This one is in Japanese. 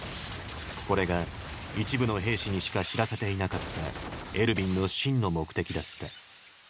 これが一部の兵士にしか知らせていなかったエルヴィンの真の目的だった。